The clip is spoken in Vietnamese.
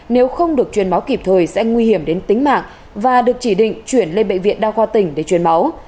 nếu không được truyền máu kịp thời sẽ nguy hiểm đến tính mạng và được chỉ định chuyển lên bệnh viện đa khoa tỉnh để truyền máu